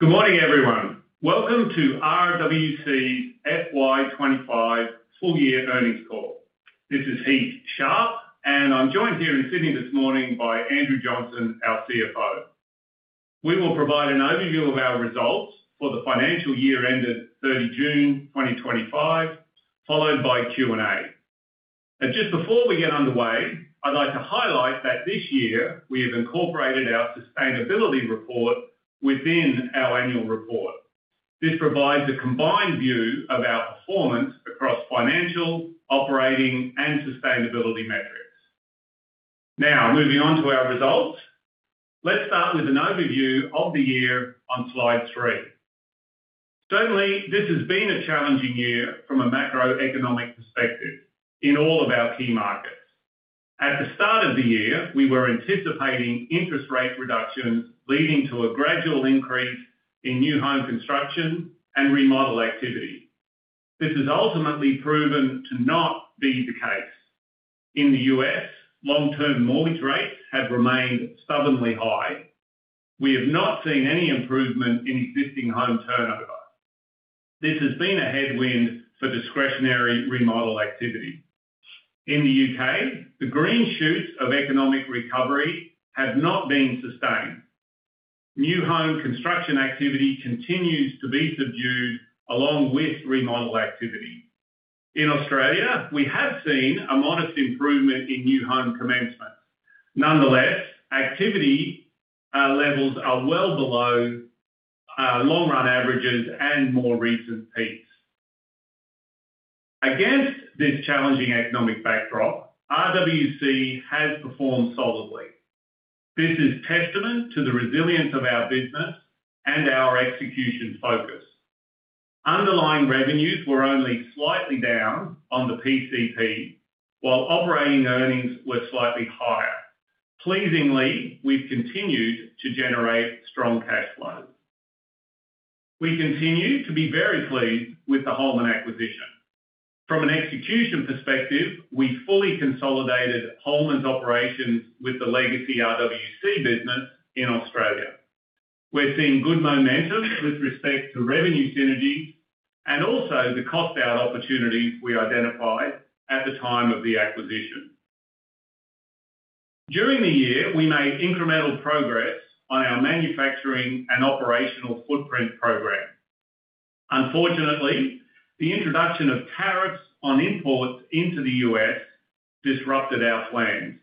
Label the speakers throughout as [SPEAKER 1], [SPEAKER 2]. [SPEAKER 1] Good morning, everyone. Welcome to RWC's FY 2025 full-year earnings call. This is Heath Sharp, and I'm joined here in Sydney this morning by Andrew Johnson, our CFO. We will provide an overview of our results for the financial year ended 30 June 2025, followed by Q&A. Just before we get underway, I'd like to highlight that this year we have incorporated our sustainability report within our annual report. This provides a combined view of our performance across financial, operating, and sustainability metrics. Now, moving on to our results, let's start with an overview of the year on slide three. Certainly, this has been a challenging year from a macroeconomic perspective in all of our key markets. At the start of the year, we were anticipating interest rate reduction leading to a gradual increase in new home construction and remodel activity. This has ultimately proven to not be the case. In the U.S., long-term mortgage rates have remained stubbornly high. We have not seen any improvement in existing home turnover. This has been a headwind for discretionary remodel activity. In the U.K., the green shoot of economic recovery has not been sustained. New home construction activity continues to be subdued along with remodel activity. In Australia, we have seen a modest improvement in new home commencement. Nonetheless, activity levels are well below long-run averages and more recent peaks. Against this challenging economic backdrop, RWC has performed solidly. This is a testament to the resilience of our business and our execution focus. Underlying revenues were only slightly down on the pcp, while operating earnings were slightly higher. Pleasingly, we've continued to generate strong cash flow. We continue to be very pleased with the Holman acquisition. From an execution perspective, we fully consolidated Holman's operations with the legacy RWC business in Australia. We're seeing good momentum with respect to revenue synergy and also the cost-out opportunity we identified at the time of the acquisition. During the year, we made incremental progress on our manufacturing and operational footprint program. Unfortunately, the introduction of tariffs on imports into the U.S. disrupted our plans.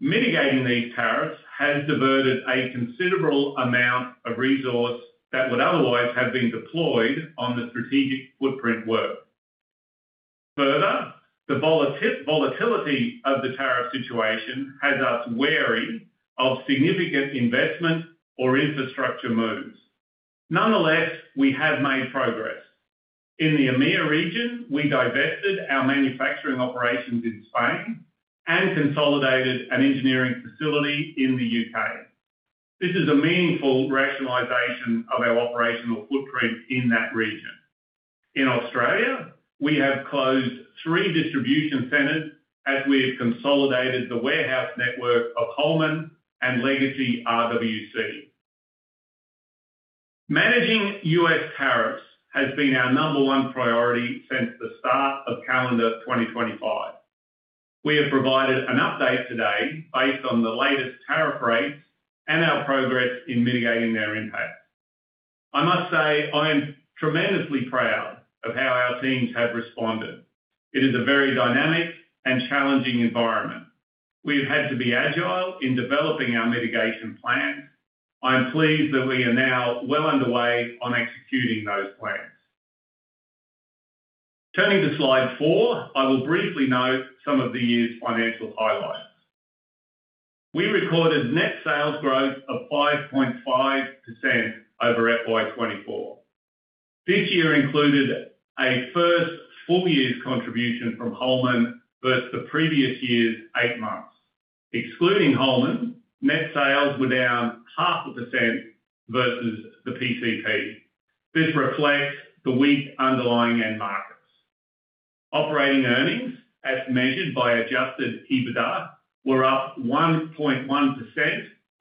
[SPEAKER 1] Mitigating these tariffs has diverted a considerable amount of resource that would otherwise have been deployed on the strategic footprint work. Further, the volatility of the tariff situation has us wary of significant investments or infrastructure moves. Nonetheless, we have made progress. In the EMEA region, we diverted our manufacturing operations in Spain and consolidated an engineering facility in the U.K.. This is a meaningful rationalization of our operational footprint in that region. In Australia, we have closed three distribution centers as we have consolidated the warehouse network of Holman and legacy RWC. Managing U.S. tariffs has been our number one priority since the start of calendar 2025. We have provided an update today based on the latest tariff rates and our progress in mitigating their impact. I must say I am tremendously proud of how our teams have responded. It is a very dynamic and challenging environment. We've had to be agile in developing our mitigation plans. I am pleased that we are now well underway on executing those plans. Turning to slide four, I will briefly note some of the year's financial highlights. We recorded net sales growth of 5.5% over FY 2024. This year included a first full year's contribution from Holman versus the previous year's eight months. Excluding Holman, net sales were down 0.5% versus the pcp. This reflects the weak underlying end markets. Operating earnings, as measured by adjusted EBITDA, were up 1.1%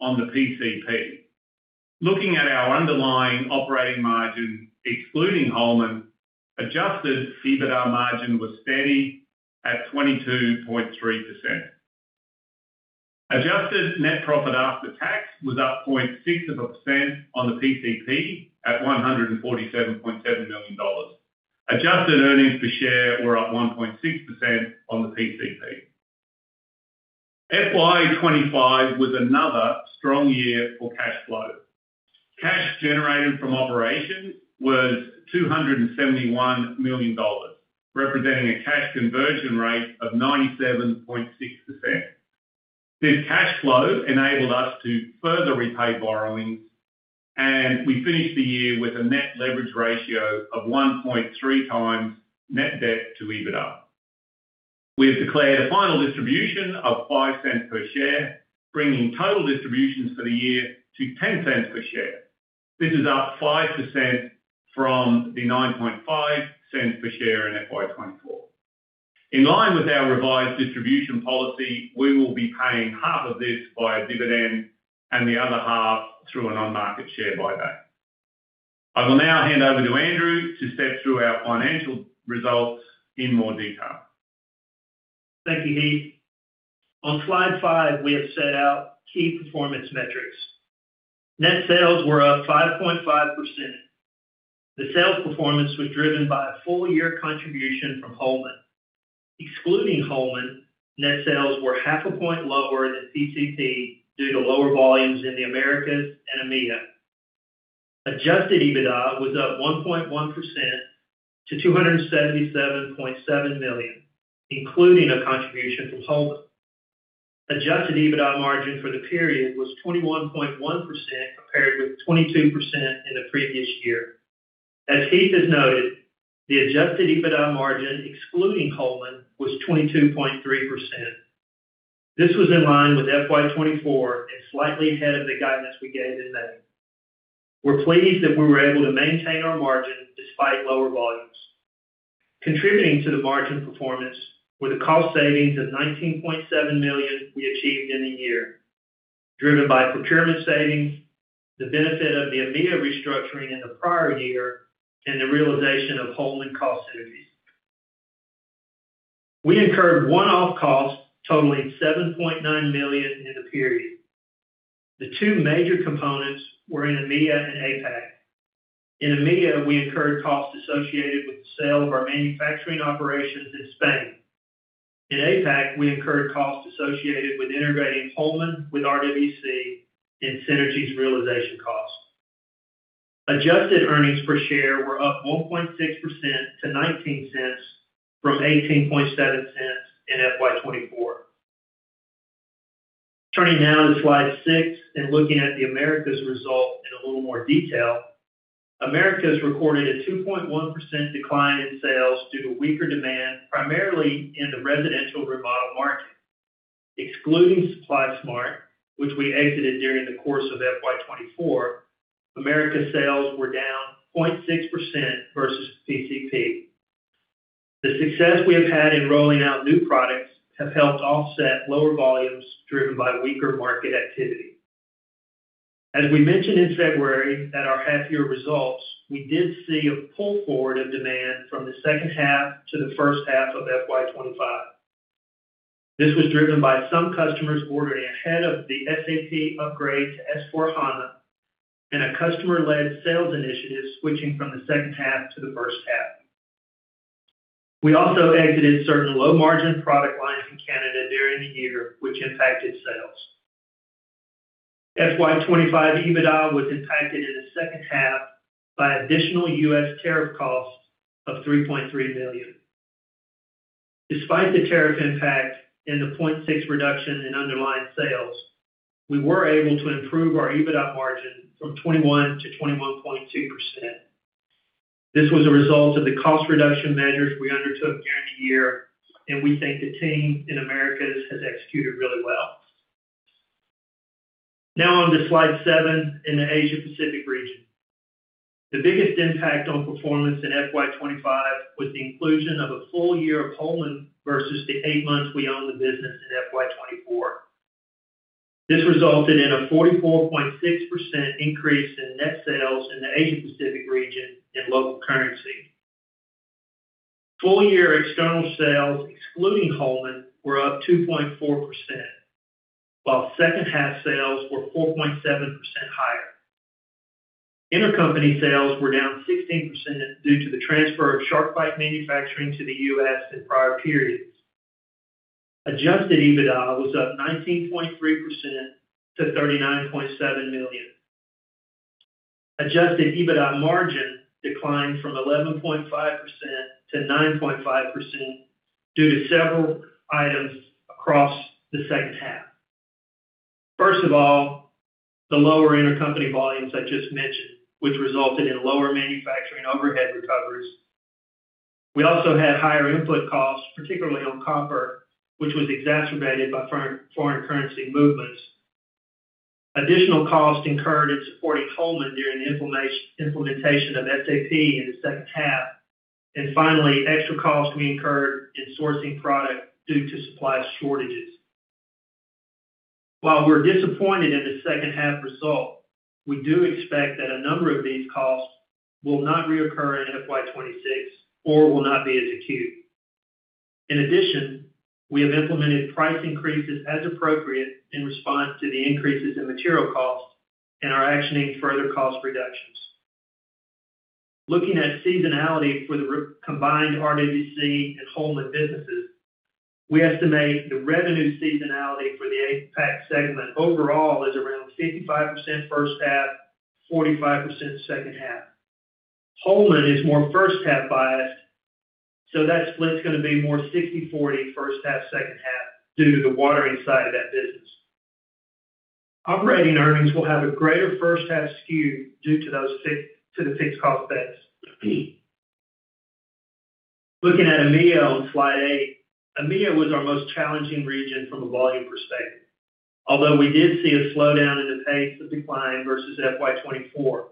[SPEAKER 1] on the pcp. Looking at our underlying operating margins, excluding Holman, adjusted EBITDA margin was steady at 22.3%. Adjusted net profit after tax was up 0.6% on the pcp at $147.7 million. Adjusted earnings per share were up 1.6% on the pcp. FY 2025 was another strong year for cash flow. Cash generated from operations was $271 million, representing a cash conversion rate of 97.6%. This cash flow enabled us to further repay borrowing, and we finished the year with a net leverage ratio of 1.3 times net debt to EBITDA. We have declared a final distribution of $0.05 per share, bringing total distributions for the year to $0.10 per share. This is up 5% from the $0.095 per share in FY 2024. In line with our revised distribution policy, we will be paying half of this via dividend and the other half through a non-market share buyback. I will now hand over to Andrew to step through our financial results in more detail.
[SPEAKER 2] Thank you, Heath. On slide five, we have set out key performance metrics. Net sales were up 5.5%. The sales performance was driven by a full-year contribution from Holman. Excluding Holman, net sales were half a point lower than pcp due to lower volumes in the Americas and EMEA. Adjusted EBITDA was up 1.1% to $277.7 million, including a contribution from Holman. Adjusted EBITDA margin for the period was 21.1% compared with 22% in the previous year. As Heath has noted, the adjusted EBITDA margin excluding Holman was 22.3%. This was in line with FY 2024 and slightly ahead of the guidance we gave in May. We're pleased that we were able to maintain our margin despite lower volumes. Contributing to the margin performance were the cost savings of $19.7 million we achieved in the year, driven by procurement savings, the benefit of the EMEA restructuring in the prior year, and the realization of Holman cost synergies. We incurred one-off costs totaling $7.9 million in the period. The two major components were in EMEA and APAC. In EMEA, we incurred costs associated with the sale of our manufacturing operations in Spain. In APAC, we incurred costs associated with integrating Holman with RWC and synergies realization costs. Adjusted earnings per share were up 1.6% to $0.19 from $18.7 in FY24. Turning now to slide six and looking at the Americas result in a little more detail, Americas recorded a 2.1% decline in sales due to weaker demand, primarily in the residential remodel market. Excluding SupplySmart, which we exited during the course of FY 2024, Americas sales were down 0.6% versus pcp. The success we have had in rolling out new products has helped offset lower volumes driven by weaker market activity. As we mentioned in February at our half-year results, we did see a pull forward in demand from the second half to the first half of FY 2025. This was driven by some customers ordering ahead of the SAP upgrade to S/4HANA and a customer-led sales initiative switching from the second half to the first half. We also exited certain low-margin product lines in Canada during the year, which impacted sales. FY 2025 EBITDA was impacted in the second half by additional U.S. tariff costs of $3.3 million. Despite the tariff impact and the 0.6% reduction in underlying sales, we were able to improve our EBITDA margin from 21% to 21.2%. This was a result of the cost reduction measures we undertook during the year, and we think the team in Americas has executed really well. Now on to slide seven in the Asia-Pacific region. The biggest impact on performance in FY 2025 was the inclusion of a full year of Holman versus the eight months we owned the business in FY 2024. This resulted in a 44.6% increase in net sales in the Asia-Pacific region in local currency. Full-year external sales, excluding Holman, were up 2.4%, while second half sales were 4.7% higher. Intercompany sales were down 16% due to the transfer of SharkBite manufacturing to the U.S. in prior periods. Adjusted EBITDA was up 19.3% to $39.7 million. Adjusted EBITDA margin declined from 11.5% to 9.5% due to several items across the second half. First of all, the lower intercompany volumes I just mentioned, which resulted in lower manufacturing overhead recoveries. We also had higher input costs, particularly on comp work, which was exacerbated by foreign currency movements. Additional costs incurred in supporting Holman during the implementation of SAP in the second half. Finally, extra costs we incurred in sourcing product due to supply shortages. While we're disappointed in the second half result, we do expect that a number of these costs will not reoccur in FY 2026 or will not be as acute. In addition, we have implemented price increases as appropriate in response to the increases in material costs and are actioning further cost reductions. Looking at seasonality for the combined RWC and Holman businesses, we estimate the revenue seasonality for the APAC segment overall is around 55% first half, 45% second half. Holman is more first half biased, so that split's going to be more 60/40 first half, second half due to the watering side of that business. Operating earnings will have a greater first half skew due to the fixed cost basis. Looking at EMEA, slide eight, EMEA was our most challenging region from a volume perspective, although we did see a slowdown in the pace of decline versus FY 2024.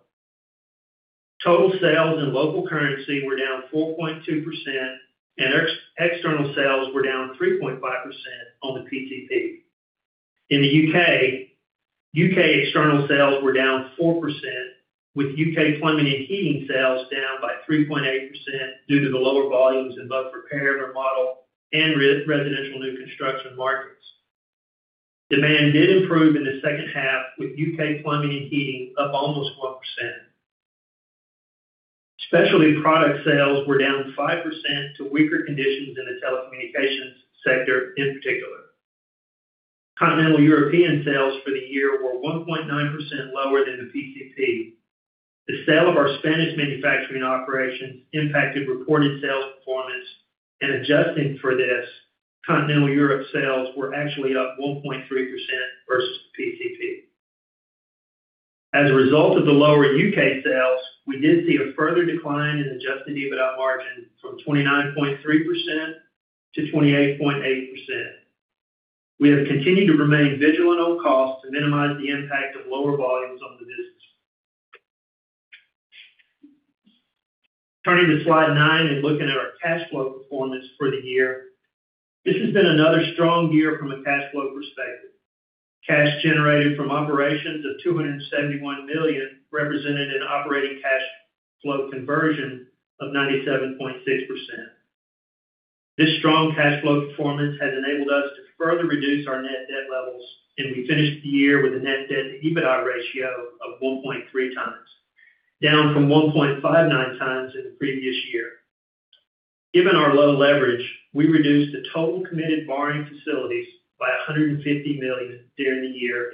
[SPEAKER 2] Total sales in local currency were down 4.2%, and external sales were down 3.5% on the pcp. In the U.K., U.K. external sales were down 4%, with UK plumbing and heating sales down by 3.8% due to the lower volumes in both repair and remodel and residential new construction markets. Demand did improve in the second half, with UK plumbing and heating up almost 1%. Specialty product sales were down 5% due to weaker conditions in the telecommunications sector in particular. Continental European sales for the year were 1.9% lower than the pcp. The sale of our Spanish manufacturing operations impacted reported sales performance, and adjusting for this, Continental Europe sales were actually up 1.3% versus the pcp. As a result of the lower U.K. sales, we did see a further decline in adjusted EBITDA margin from 29.3% to 28.8%. We have continued to remain vigilant of cost to minimize the impact of lower volumes on the business. Turning to slide nine and looking at our cash flow performance for the year, this has been another strong year from a cash flow perspective. Cash generated from operations of $271 million represented an operating cash flow conversion of 97.6%. This strong cash flow performance has enabled us to further reduce our net debt levels, and we finished the year with a net debt to EBITDA ratio of 1.3 times, down from 1.59 times in the previous year. Given our low leverage, we reduced the total committed borrowing facilities by $150 million during the year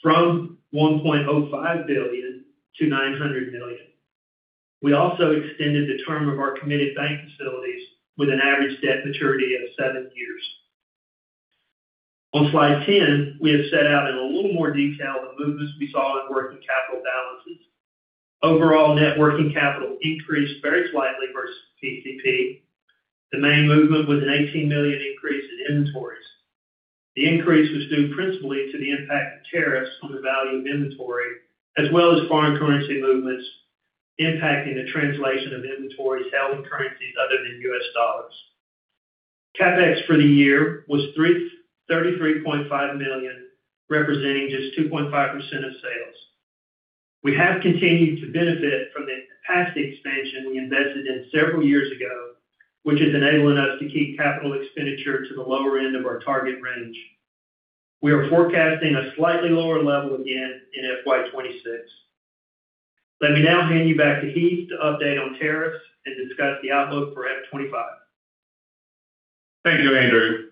[SPEAKER 2] from $1.05 billion to $900 million. We also extended the term of our committed bank facilities with an average debt maturity of seven years. On slide 10 we have set out in a little more detail the movements we saw in working capital balances. Overall, net working capital increased very slightly versus the pcp. The main movement was an $18 million increase in inventories. The increase was due principally to the impact of tariffs on the value of inventory, as well as foreign currency movements impacting the translation of inventories held in currencies other than US dollars. CapEx for the year was $33.5 million, representing just 2.5% of sales. We have continued to benefit from the capacity expansion we invested in several years ago, which is enabling us to keep capital expenditure to the lower end of our target range. We are forecasting a slightly lower level again in FY 2026. Let me now hand you back to Heath to update on tariffs and discuss the outlook for FY 2025.
[SPEAKER 1] Thank you, Andrew.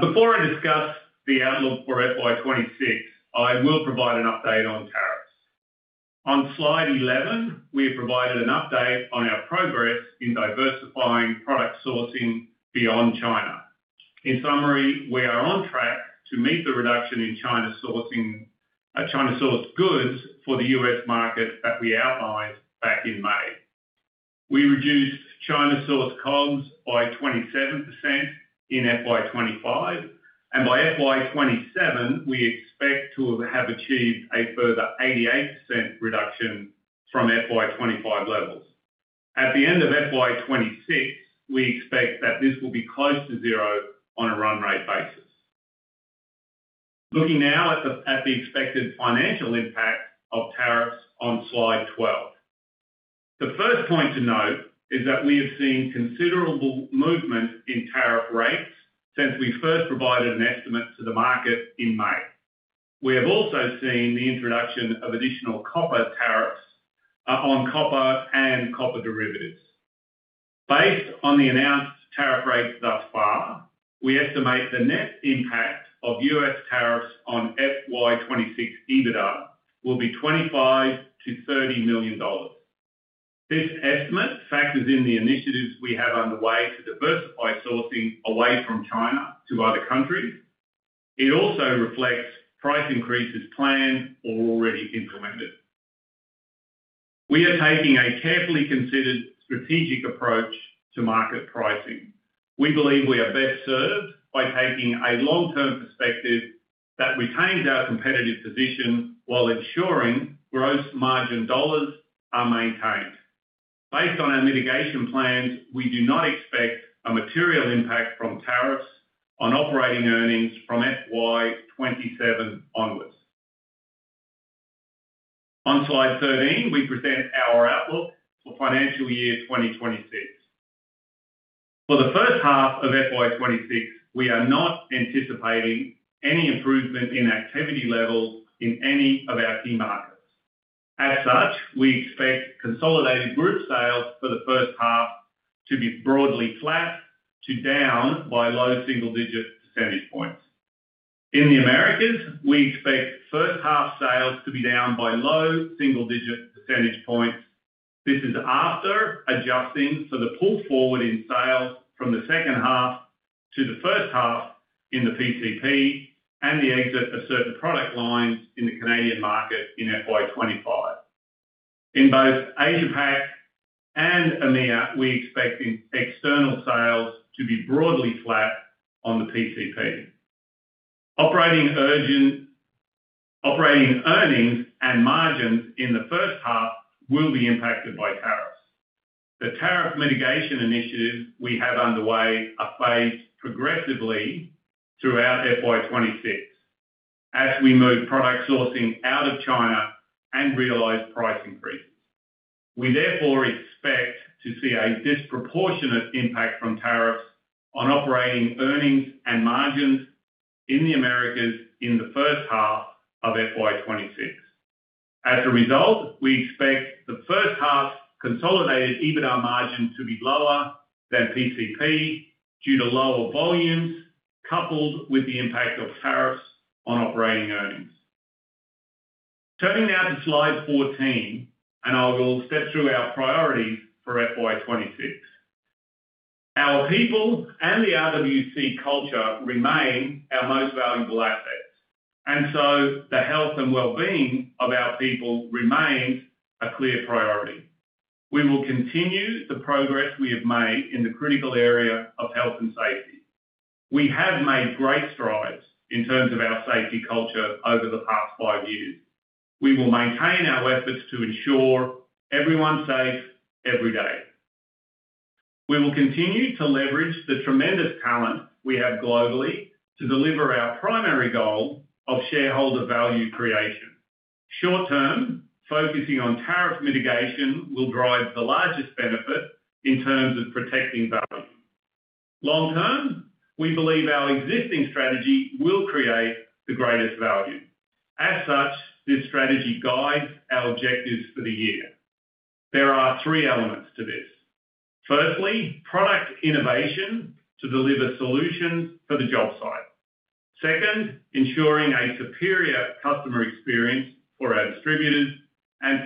[SPEAKER 1] Before I discuss the outlook for FY 2026, I will provide an update on tariffs. On slide 11, we have provided an update on our progress in diversifying product sourcing beyond China. In summary, we are on track to meet the reduction in China-sourced goods for the U.S. market that we outlined back in May. We reduced China-sourced comms by 27% in FY 2025, and by FY 2027, we expect to have achieved a further 88% reduction from FY 2025 levels. At the end of FY 2026, we expect that this will be close to zero on a run rate basis. Looking now at the expected financial impact of tariffs on slide 12, the first point to note is that we have seen considerable movement in tariff rates since we first provided an estimate to the market in May. We have also seen the introduction of additional tariffs on copper and copper derivatives. Based on the announced tariff rates thus far, we estimate the net impact of U.S. tariffs on FY 2026 adjusted EBITDA will be $25 to $30 million. This estimate factors in the initiatives we have underway to diversify sourcing away from China to other countries. It also reflects price increases planned or already implemented. We are taking a carefully considered strategic approach to market pricing. We believe we are best served by taking a long-term perspective that retains our competitive position while ensuring gross margin dollars are maintained. Based on our mitigation plans, we do not expect a material impact from tariffs on operating earnings from FY 2027 onwards. On slide 13, we present our outlook for financial year 2026. For the first half of FY 2026, we are not anticipating any improvement in activity levels in any of our key markets. As such, we expect consolidated group sales for the first half to be broadly flat to down by low single-digit percentage points. In the Americas, we expect first half sales to be down by low single-digit percentage points. This is after adjusting for the pull forward in sales from the second half to the first half in the pcp and the exit for certain product lines in the Canadian market in FY 2025. In both Asia-Pac and EMEA, we expect external sales to be broadly flat on the pcp. Operating earnings and margins in the first half will be impacted by tariffs. The tariff mitigation initiatives we have underway are phased progressively throughout FY 2026 as we move product sourcing out of China and realize price increases. We therefore expect to see a disproportionate impact from tariffs on operating earnings and margins in the Americas in the first half of FY 2026. As a result, we expect the first half consolidated EBITDA margin to be lower than pcp due to lower volumes coupled with the impact of tariffs on operating earnings. Turning now to slide 14, I will step through our priorities for FY2026. Our people and the RWC culture remain our most valuable assets, and the health and well-being of our people remain a clear priority. We will continue the progress we have made in the critical area of health and safety. We have made great strides in terms of our safety culture over the past five years. We will maintain our efforts to ensure everyone's safe every day. We will continue to leverage the tremendous talent we have globally to deliver our primary goal of shareholder value creation. Short term, focusing on tariff mitigation will drive the largest benefit in terms of protecting value. Long term, we believe our existing strategy will create the greatest value. As such, this strategy guides our objectives for the year. There are three elements to this. Firstly, product innovation to deliver solutions for the job site. Second, ensuring a superior customer experience for our distributors.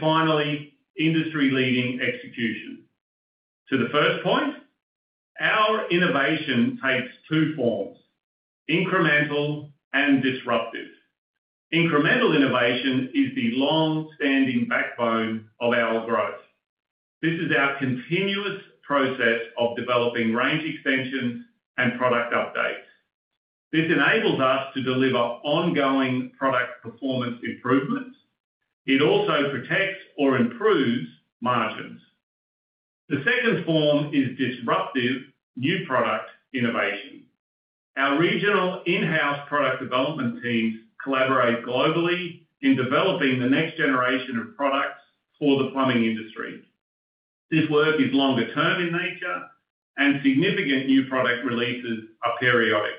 [SPEAKER 1] Finally, industry-leading execution. To the first point, our innovation takes two forms: incremental and disruptive. Incremental innovation is the long-standing backbone of our growth. This is our continuous process of developing range extensions and product updates. This enables us to deliver ongoing product performance improvements. It also protects or improves margins. The second form is disruptive new product innovation. Our regional in-house product development teams collaborate globally in developing the next generation of products for the plumbing industry. This work is longer term in nature, and significant new product releases are periodic.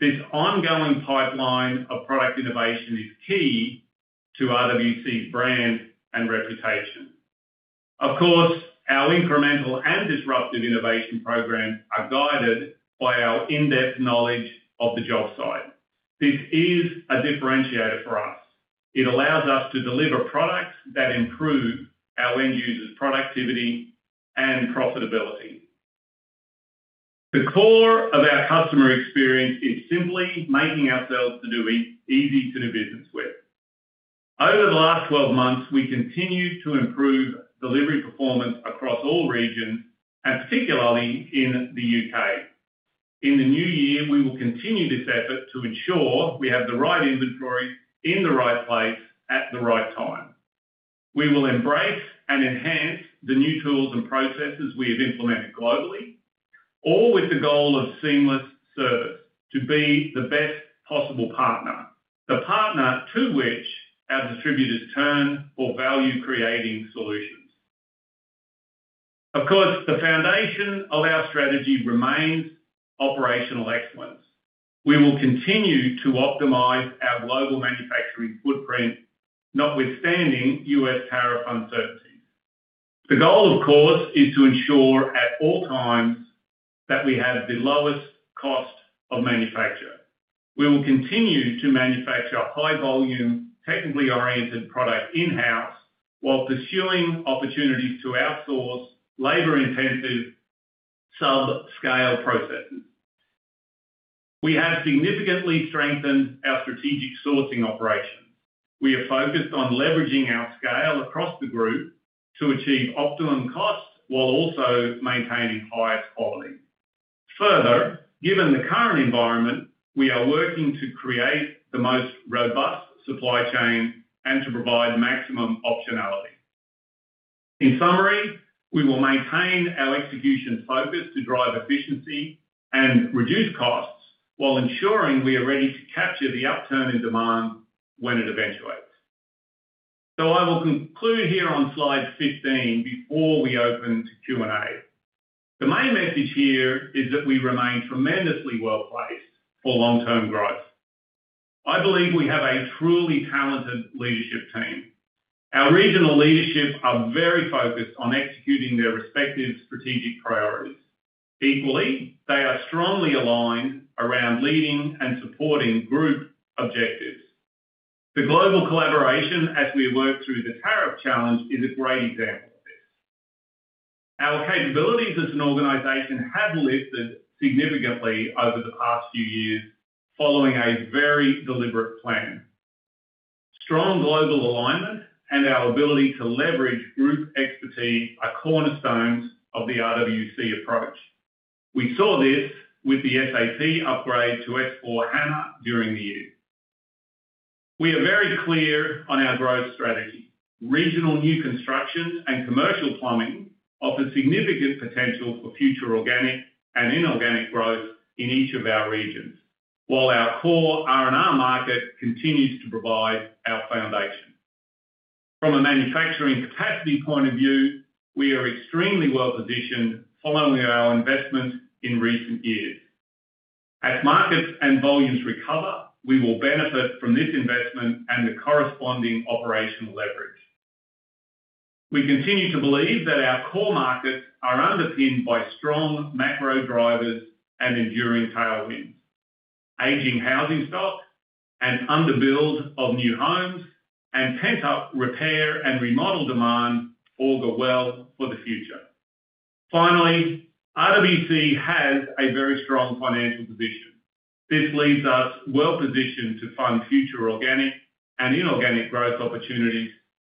[SPEAKER 1] This ongoing pipeline of product innovation is key to RWC's brand and reputation. Of course, our incremental and disruptive innovation programs are guided by our in-depth knowledge of the job site. This is a differentiator for us. It allows us to deliver products that improve our end users' productivity and profitability. The core of our customer experience is simply making ourselves easy to do business with. Over the last 12 months, we continued to improve delivery performance across all regions, particularly in the U.K.. In the new year, we will continue this effort to ensure we have the right inventory in the right place at the right time. We will embrace and enhance the new tools and processes we have implemented globally, all with the goal of seamless service to be the best possible partner, the partner to which our distributors turn for value-creating solutions. Of course, the foundation of our strategy remains operational excellence. We will continue to optimize our global manufacturing footprint, notwithstanding U.S. tariff uncertainty. The goal, of course, is to ensure at all times that we have the lowest cost of manufacture. We will continue to manufacture high volume, technically oriented product in-house while pursuing opportunities to outsource labor-intensive sub-scale processes. We have significantly strengthened our strategic sourcing operation. We are focused on leveraging our scale across the group to achieve optimum costs while also maintaining highest quality. Further, given the current environment, we are working to create the most robust supply chain and to provide maximum optionality. In summary, we will maintain our execution focus to drive efficiency and reduce costs while ensuring we are ready to capture the upturn in demand when it eventuates. I will conclude here on slide 15 before we open to Q&A. The main message here is that we remain tremendously well placed for long-term growth. I believe we have a truly talented leadership team. Our regional leadership is very focused on executing their respective strategic priorities. Equally, they are strongly aligned around leading and supporting group objectives. The global collaboration as we work through the tariff challenge is a great example of this. Our capabilities as an organization have lifted significantly over the past few years following a very deliberate plan. Strong global alignment and our ability to leverage group expertise are cornerstones of the RWC approach. We saw this with the SAP upgrade to S/4HANA during the year. We are very clear on our growth strategy. Regional new constructions and commercial plumbing offer significant potential for future organic and inorganic growth in each of our regions, while our core R&R market continues to provide our foundation. From a manufacturing capacity point of view, we are extremely well positioned following our investment in recent years. As markets and volumes recover, we will benefit from this investment and the corresponding operational leverage. We continue to believe that our core markets are underpinned by strong macro drivers and enduring tailwinds. Ageing housing stocks and underbuild of new homes and pent-up repair and remodel demand augur well for the future. Finally, RWC has a very strong financial position. This leaves us well positioned to fund future organic and inorganic growth opportunities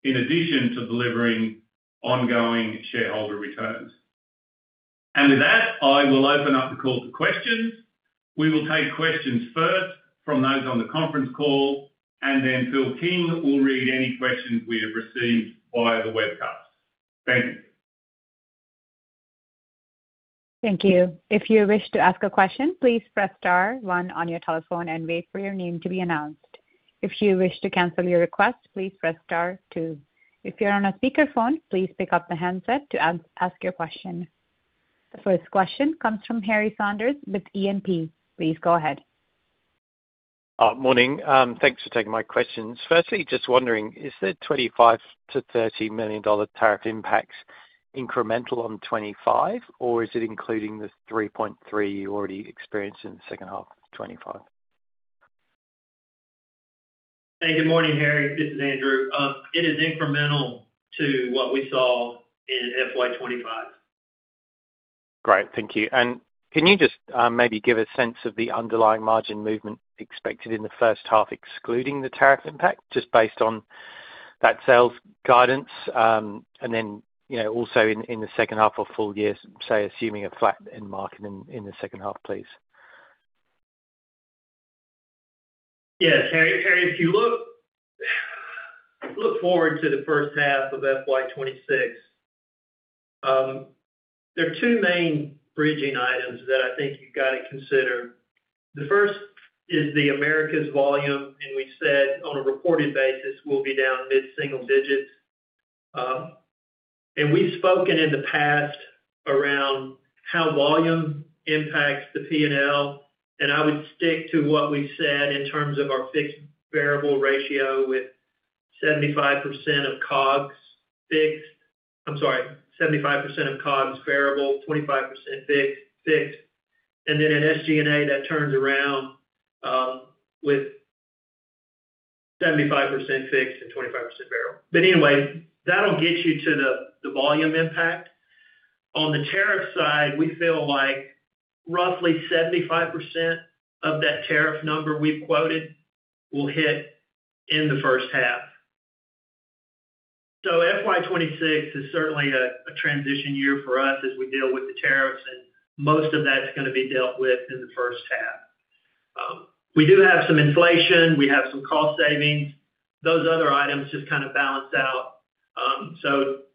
[SPEAKER 1] in addition to delivering ongoing shareholder returns. With that, I will open up the call to questions. We will take questions first from those on the conference call, and then Philip King will read any questions we have received via the webcast. Thank you.
[SPEAKER 3] Thank you. If you wish to ask a question, please press star one on your telephone and wait for your name to be announced. If you wish to cancel your request, please press star two. If you're on a speakerphone, please pick up the handset to ask your question. The first question comes from Harry Saunders with E&P. Please go ahead.
[SPEAKER 4] Morning. Thanks for taking my questions. Firstly, just wondering, is the $25 to $30 million tariff impacts incremental on 2025, or is it including the $3.3 million you already experienced in the second half of 2025?
[SPEAKER 2] Good morning, Harry. This is Andrew. It is incremental to what we saw in FY 2025.
[SPEAKER 4] Great. Thank you. Can you just maybe give a sense of the underlying margin movement expected in the first half, excluding the tariff impact, just based on that sales guidance? Also, in the second half of full years, say, assuming a flat end market in the second half, please.
[SPEAKER 2] Yeah. Harry, if you look forward to the first half of FY 2026, there are two main bridging items that I think you've got to consider. The first is the Americas volume, and we said on a reported basis, we'll be down mid-single digits. We've spoken in the past around how volume impacts the P&L, and I would stick to what we've said in terms of our fixed variable ratio with 75% of COGS fixed. I'm sorry, 75% of COGS variable, 25% fixed. In SG&A, that turns around with 75% fixed and 25% variable. That'll get you to the volume impact. On the tariff side, we feel like roughly 75% of that tariff number we've quoted will hit in the first half. FY 2026 is certainly a transition year for us as we deal with the tariffs, and most of that is going to be dealt with in the first half. We do have some inflation. We have some cost savings. Those other items just kind of balance out.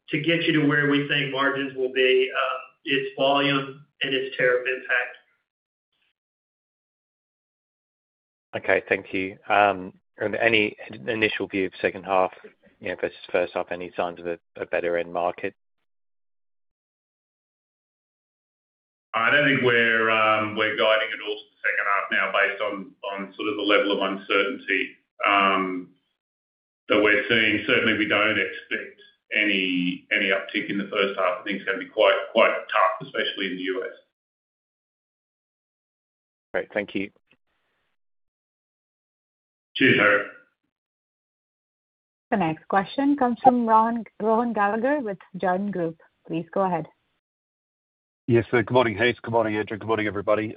[SPEAKER 2] To get you to where we think margins will be, it's volume and it's tariff impact.
[SPEAKER 4] Okay. Thank you. Are there any initial view of second half versus first half, any signs of a better end market?
[SPEAKER 1] I don't think we're guiding at all to the second half now based on the level of uncertainty that we're seeing. Certainly, we don't expect any uptick in the first half. I think it's going to be quite tough, especially in the U.S.
[SPEAKER 4] Great. Thank you.
[SPEAKER 1] Cheers, Harry.
[SPEAKER 3] The next question comes from Rowan Gallagher with Joan Group. Please go ahead.
[SPEAKER 5] Yes. Good morning, Heath. Good morning, Andrew. Good morning, everybody.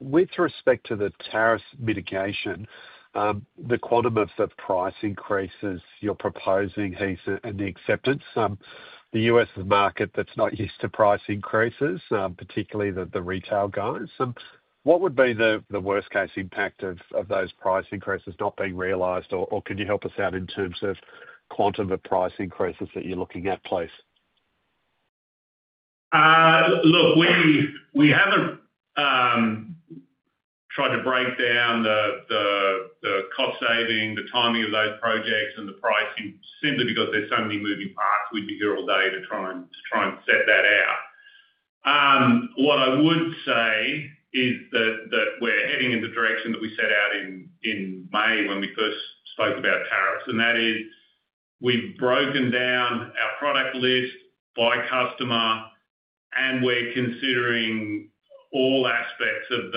[SPEAKER 5] With respect to the tariff mitigation, the quantum of price increases you're proposing, Heath, and the acceptance. The U.S. is a market that's not used to price increases, particularly the retail guys. What would be the worst-case impact of those price increases not being realized, or could you help us out in terms of quantum of price increases that you're looking at, please?
[SPEAKER 1] Look, we haven't tried to break down the cost savings, the timing of those projects, and the pricing simply because there's so many moving parts. We'd be here all day to try and set that out. What I would say is that we're heading in the direction that we set out in May when we first spoke about tariffs, and that is we've broken down our product list by customer, and we're considering all aspects of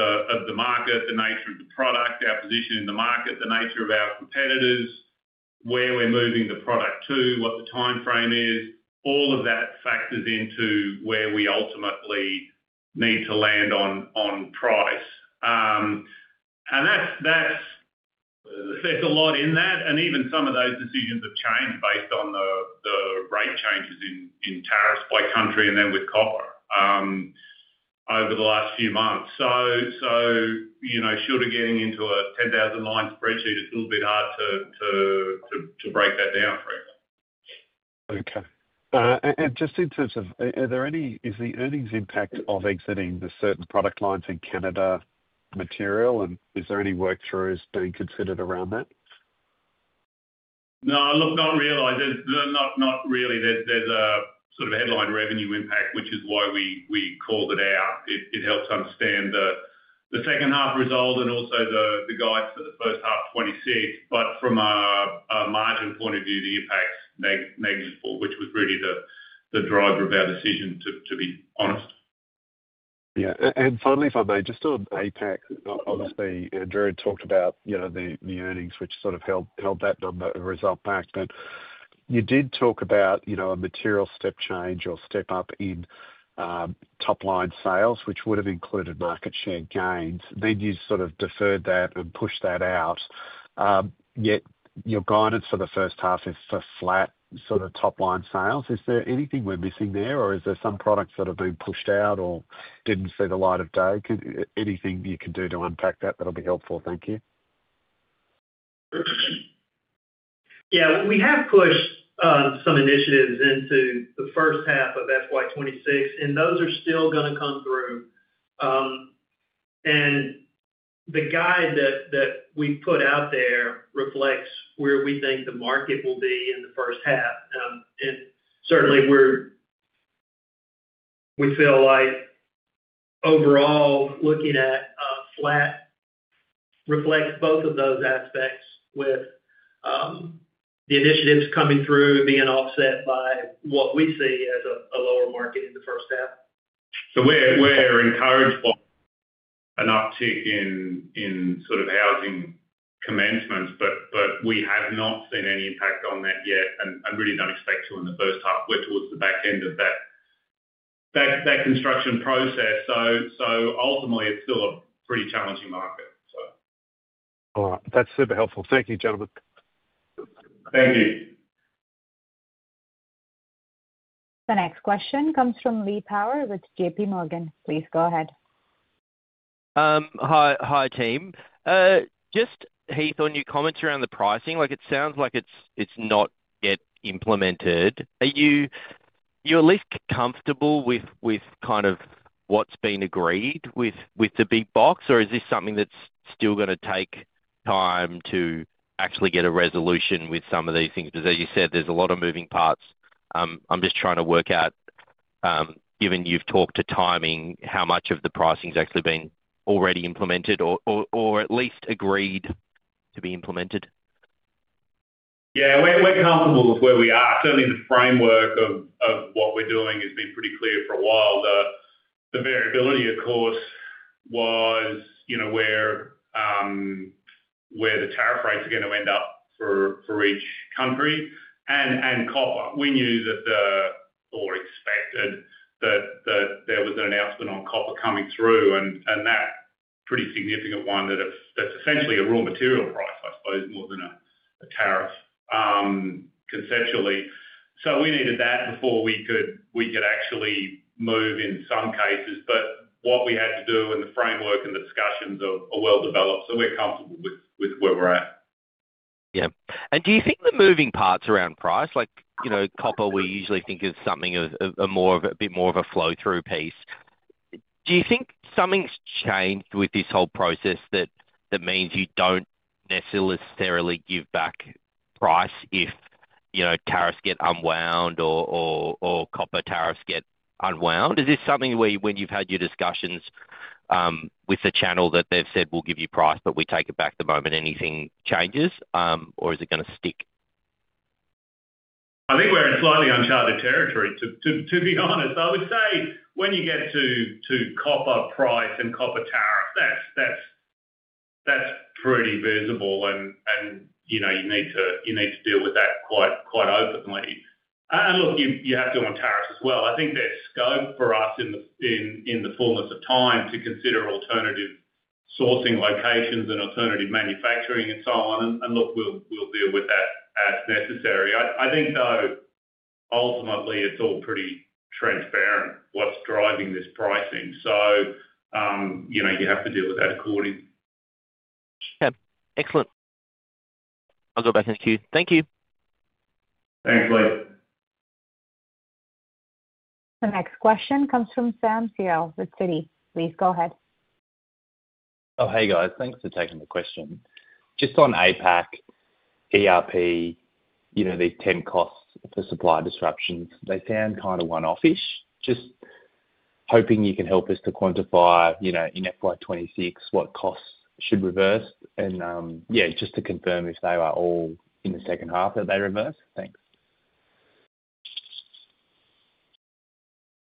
[SPEAKER 1] the market, the nature of the product, our position in the market, the nature of our competitors, where we're moving the product to, what the time frame is. All of that factors into where we ultimately need to land on price. There's a lot in that, and even some of those decisions have changed based on the rate changes in tariffs by country and then with copper over the last few months. Should we be getting into a 10,000-line spreadsheet, it's a little bit hard to break that down for you.
[SPEAKER 5] Okay. In terms of, are there any, is the earnings impact of exiting the certain product lines in Canada material, and is there any work throughs being considered around that?
[SPEAKER 1] No, not really. There's not really. There's a sort of headline revenue impact, which is why we called it out. It helps understand the second half result and also the guides for the first half of 2026. From a margin point of view, the impacts are negligible, which was really the driver of our decision, to be honest.
[SPEAKER 5] Yeah. Finally, if I may, just on APAC, obviously, Andrew had talked about, you know, the earnings, which sort of held that number of result back. You did talk about, you know, a material step change or step up in top-line sales, which would have included market share gains. You sort of deferred that and pushed that out. Yet your guidance for the first half is for flat sort of top-line sales. Is there anything we're missing there, or is there some products that have been pushed out or didn't see the light of day? Anything you can do to unpack that, that'll be helpful. Thank you.
[SPEAKER 2] We have pushed some initiatives into the first half of FY 2026, and those are still going to come through. The guide that we put out there reflects where we think the market will be in the first half. We feel like overall looking at flat reflects both of those aspects, with the initiatives coming through and being offset by what we see as a lower market in the first half.
[SPEAKER 1] We are hiring spot an uptick in sort of housing commencements, but we have not seen any impact on that yet and really don't expect to in the first half. We are towards the back end of that construction process. Ultimately, it's still a pretty challenging market.
[SPEAKER 5] All right. That's super helpful. Thank you, gentlemen.
[SPEAKER 1] Thank you.
[SPEAKER 3] The next question comes from Lee Power with JPMorgan. Please go ahead.
[SPEAKER 6] Hi, team. Just Heath, on your comments around the pricing, it sounds like it's not yet implemented. Are you at least comfortable with kind of what's been agreed with the big box, or is this something that's still going to take time to actually get a resolution with some of these things? Because as you said, there's a lot of moving parts. I'm just trying to work out, given you've talked to timing, how much of the pricing has actually been already implemented or at least agreed to be implemented.
[SPEAKER 1] Yeah. We're comfortable with where we are. Certainly, the framework of what we're doing has been pretty clear for a while. The variability, of course, was where the tariff rates are going to end up for each country. We knew that or expected that there was an announcement on copper coming through and that pretty significant one that's essentially a raw material price, I suppose, more than a tariff conceptually. We needed that before we could actually move in some cases. What we had to do and the framework and the discussions are well developed, so we're comfortable with where we're at.
[SPEAKER 6] Do you think the moving parts around price, like, you know, copper, we usually think of something as a bit more of a flow-through piece? Do you think something's changed with this whole process that means you don't necessarily give back price if, you know, tariffs get unwound or copper tariffs get unwound? Is this something where when you've had your discussions with the channel that they've said, "We'll give you price, but we take it back the moment anything changes," or is it going to stick?
[SPEAKER 1] I think we're in slightly uncharted territory, to be honest. I would say when you get to copper price and copper tariff, that's pretty visible, and you know, you need to deal with that quite openly. You have to do it on tariffs as well. I think there's scope for us in the fullness of time to consider alternative sourcing locations and alternative manufacturing and so on. We'll deal with that as necessary. I think, though, ultimately, it's all pretty transparent what's driving this pricing, so you have to deal with that accordingly.
[SPEAKER 6] Yeah, excellent. I'll go back and ask you. Thank you.
[SPEAKER 1] Thanks, Lee.
[SPEAKER 3] The next question comes from Sam Seow with Citi. Please go ahead.
[SPEAKER 7] Oh, hey, guys. Thanks for taking the question. Just on APAC, ERP, you know, these 10 costs for supply disruptions, they sound kind of one-off-ish. Just hoping you can help us to quantify, you know, in FY 2026, what costs should reverse. Yeah, just to confirm if they are all in the second half that they reverse. Thanks.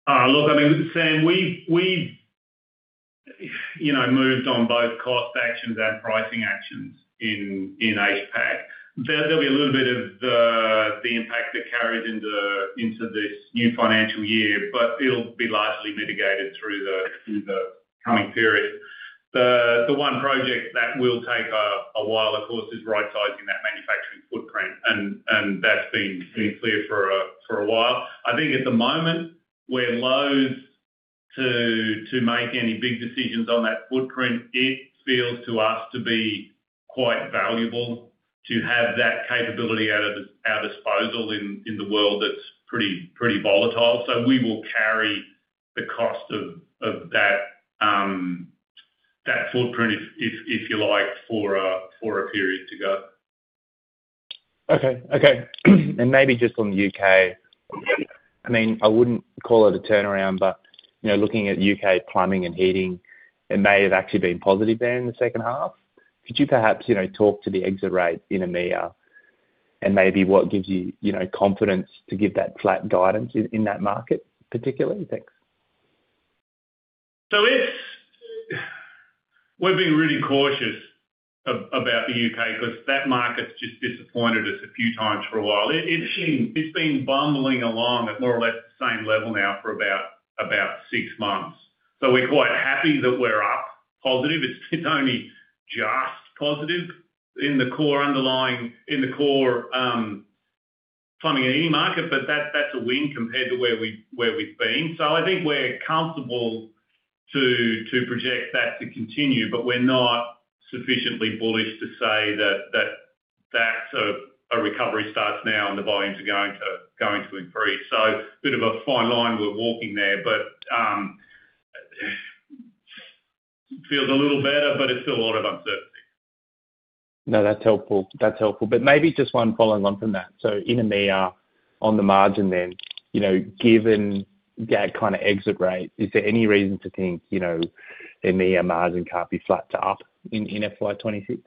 [SPEAKER 1] Look, I mean, Sam, we moved on both cost actions and pricing actions in APAC. There'll be a little bit of the impact that carried into this new financial year, but it'll be largely mitigated through the coming period. The one project that will take a while, of course, is right-sizing that manufacturing footprint, and that's been pretty clear for a while. I think at the moment, we're low to make any big decisions on that footprint. It feels to us to be quite valuable to have that capability at our disposal in a world that's pretty volatile. We will carry the cost of that footprint, if you like, for a period to go.
[SPEAKER 7] Okay. Maybe just on the U.K., I mean, I wouldn't call it a turnaround, but you know, looking at UK plumbing and heating, it may have actually been positive there in the second half. Could you perhaps talk to the exit rate in EMEA and maybe what gives you confidence to give that flat guidance in that market particularly? Thanks.
[SPEAKER 1] We've been really cautious about the U.K. because that market's just disappointed us a few times for a while. It's been bumbling along at more or less the same level now for about six months. We're quite happy that we're up positive. It's only just positive in the core underlying, in the core funding in any market, but that's a win compared to where we've been. I think we're comfortable to project that to continue, but we're not sufficiently bullish to say that a recovery starts now and the volumes are going to increase. It's a bit of a fine line we're walking there, but it feels a little better, but it's still a lot of uncertainty.
[SPEAKER 7] That's helpful. Maybe just one following on from that. In EMEA, on the margin then, you know, given that kind of exit rate, is there any reason to think EMEA margin can't be flat to up in FY 2026?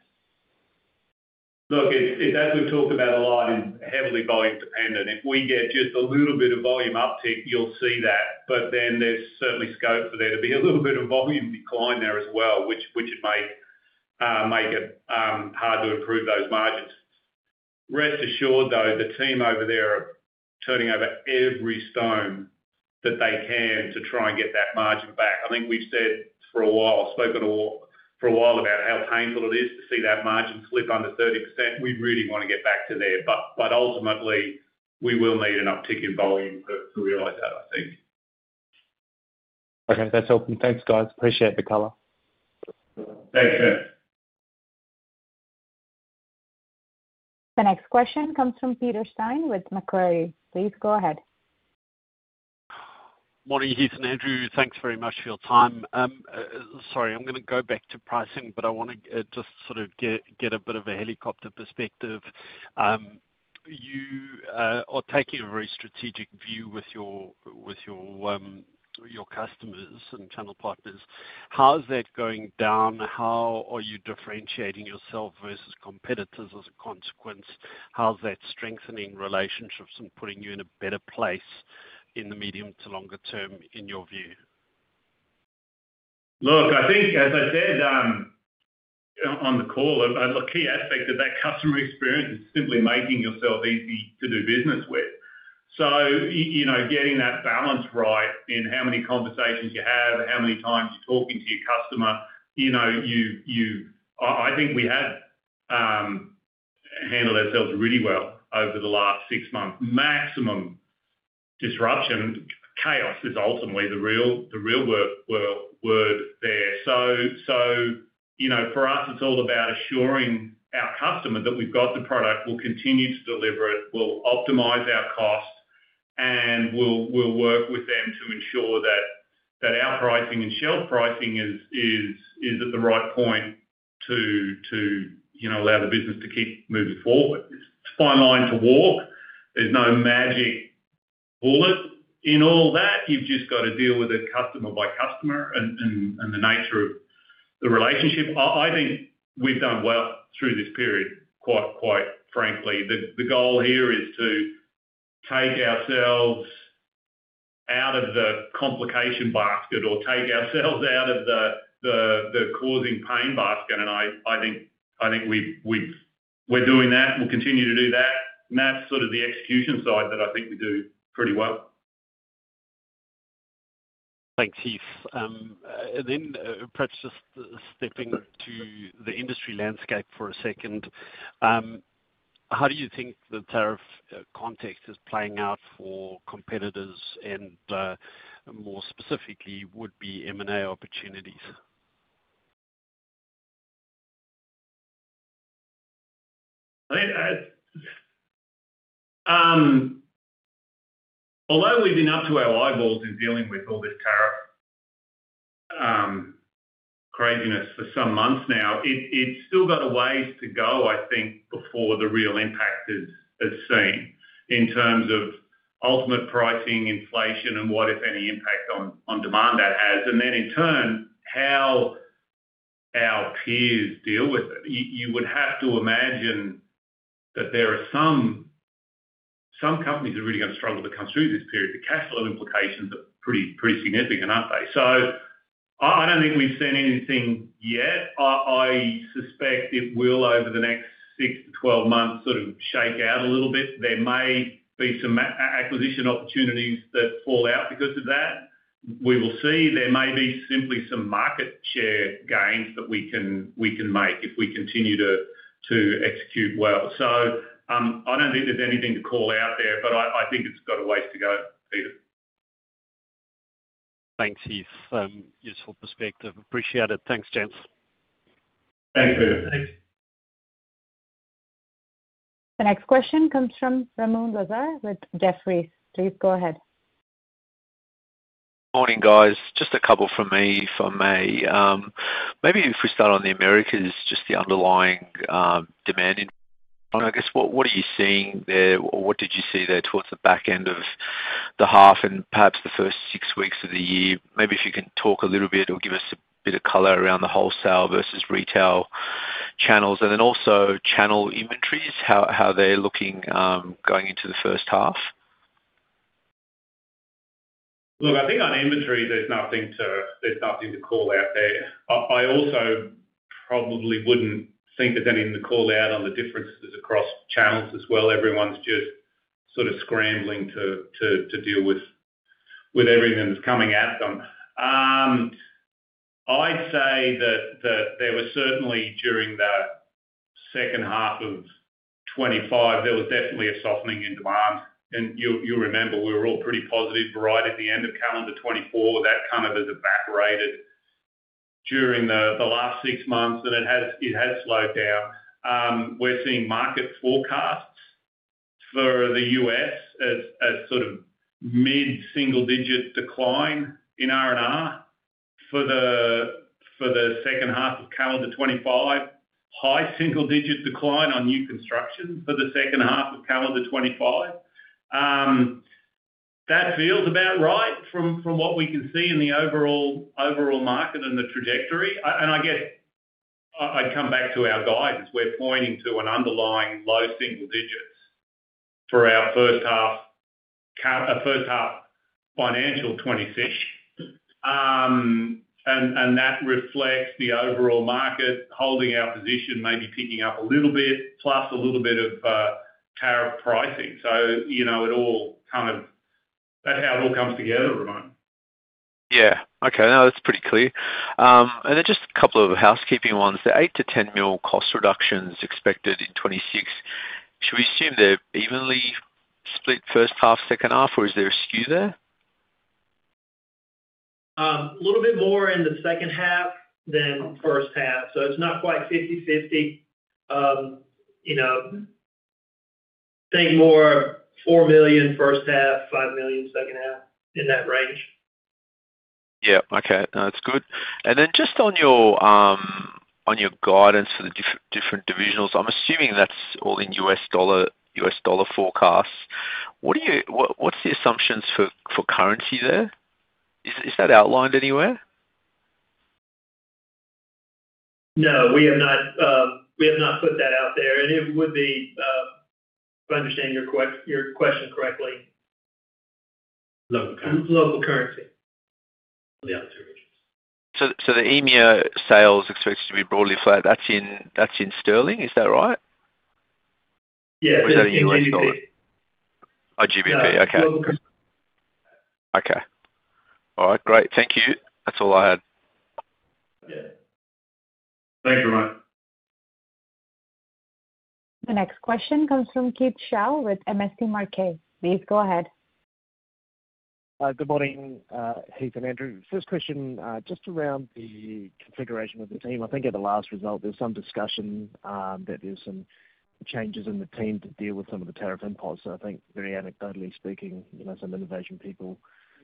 [SPEAKER 1] Look, it has been talked about a lot. It's heavily volume-dependent. If we get just a little bit of volume uptick, you'll see that. There is certainly scope for there to be a little bit of volume decline there as well, which would make it hard to improve those margins. Rest assured, though, the team over there are turning over every stone that they can to try and get that margin back. I think we've said for a while, spoken for a while about how painful it is to see that margin slip under 30%. We really want to get back to there. Ultimately, we will need an uptick in volume to realize that, I think.
[SPEAKER 7] Okay. That's helpful. Thanks, guys. Appreciate the color.
[SPEAKER 1] Thanks, Sam.
[SPEAKER 3] The next question comes from Peter Steyn with Macquarie. Please go ahead.
[SPEAKER 8] Morning, Heath and Andrew. Thanks very much for your time. Sorry, I'm going to go back to pricing, but I want to just sort of get a bit of a helicopter perspective. You are taking a very strategic view with your customers and channel partners. How is that going down? How are you differentiating yourself versus competitors as a consequence? How is that strengthening relationships and putting you in a better place in the medium to longer term, in your view?
[SPEAKER 1] Look, I think, as I said on the call, a key aspect of that customer experience is simply making yourself easy to do business with. Getting that balance right in how many conversations you have, how many times you're talking to your customer, I think we have handled ourselves really well over the last six months. Maximum disruption and chaos is ultimately the real word there. For us, it's all about assuring our customer that we've got the product, we'll continue to deliver it, we'll optimize our cost, and we'll work with them to ensure that our pricing and shelf pricing is at the right point to allow the business to keep moving forward. It's a fine line to walk. There's no magic bullet in all that. You've just got to deal with it customer by customer and the nature of the relationship. I think we've done well through this period, quite frankly. The goal here is to take ourselves out of the complication basket or take ourselves out of the causing pain basket. I think we've, we're doing that and we'll continue to do that. That's sort of the execution side that I think we do pretty well.
[SPEAKER 8] Thanks, Heath. Perhaps just stepping to the industry landscape for a second, how do you think the tariff context is playing out for competitors, and more specifically, would be M&A opportunities?
[SPEAKER 1] Although we've been up to our eyeballs in dealing with all this tariff craziness for some months now, it's still got a ways to go, I think, before the real impact is seen in terms of ultimate pricing, inflation, and what, if any, impact on demand that has. In turn, how our peers deal with it. You would have to imagine that there are some companies that are really going to struggle to cut through this period. The cash flow implications are pretty significant, aren't they? I don't think we've seen anything yet. I suspect it will over the next 6 to 12 months sort of shake out a little bit. There may be some acquisition opportunities that fall out because of that. We will see. There may be simply some market share gains that we can make if we continue to execute well. I don't think there's anything to call out there, but I think it's got a ways to go, Peter.
[SPEAKER 8] Thanks, Heath. Useful perspective. Appreciate it. Thanks.
[SPEAKER 1] Thanks, Peter.
[SPEAKER 2] Thanks.
[SPEAKER 3] The next question comes from Ramoun Lazar with Jefferies. Please go ahead.
[SPEAKER 9] Morning, guys. Just a couple from me if I may. Maybe if we start on the Americas, just the underlying demand in, I guess, what are you seeing there? What did you see there towards the back end of the half and perhaps the first six weeks of the year? Maybe if you can talk a little bit or give us a bit of color around the wholesale versus retail channels, and then also channel inventories, how they're looking going into the first half.
[SPEAKER 1] Look, I think on inventory, there's nothing to call out there. I also probably wouldn't think of anything to call out on the differences across channels as well. Everyone's just sort of scrambling to deal with everything that is coming at them. I'd say that there was certainly during the second half of 2025, there was definitely a softening in demand. You remember, we were all pretty positive right at the end of calendar 2024. That kind of has evaporated during the last six months, and it has slowed down. We're seeing market forecasts for the U.S. as sort of mid-single-digit decline in R&R for the second half of calendar 2025, high single-digit decline on new construction for the second half of calendar 2025. That feels about right from what we can see in the overall market and the trajectory. I guess I'd come back to our guidance. We're pointing to an underlying low single digits for our first half financial 2026. That reflects the overall market holding our position, maybe picking up a little bit, plus a little bit of tariff pricing. It all kind of that's how it all comes together, Ramoun.
[SPEAKER 9] Yeah. Okay. No, that's pretty clear. Just a couple of housekeeping ones. The $8 to $10 million cost reductions expected in 2026, should we assume they're evenly split first half, second half, or is there a skew there?
[SPEAKER 2] A little bit more in the second half than first half. It's not quite 50/50, being more $4 million first half, $5 million second half, in that range.
[SPEAKER 9] Yeah. Okay, that's good. Just on your guidance for the different divisions, I'm assuming that's all in US dollar forecasts. What do you, what's the assumptions for currency there? Is that outlined anywhere?
[SPEAKER 2] No, we have not put that out there. It would be, if I understand your question correctly.
[SPEAKER 9] Local currency.
[SPEAKER 2] Local currency.
[SPEAKER 9] EMEA sales are expected to be broadly flat. That's in sterling, is that right?
[SPEAKER 2] Yes.
[SPEAKER 9] Is that in US dollar?
[SPEAKER 2] GBP.
[SPEAKER 9] Oh, GBP. Okay.
[SPEAKER 2] Local.
[SPEAKER 9] Okay. All right. Great. Thank you. That's all I had.
[SPEAKER 1] Yeah, thanks, Ramoun.
[SPEAKER 3] The next question comes from Keith Chau with MST Marquee. Please go ahead.
[SPEAKER 10] Good morning, Heath and Andrew. First question, just around the configuration of the team. I think at the last result, there was some discussion that there were some changes in the team to deal with some of the tariff impulse. I think, very anecdotally speaking, some innovation people